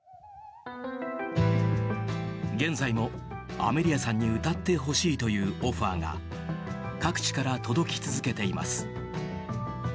現在もアメリアさんに歌ってほしいというオファーが各地から届き続けています。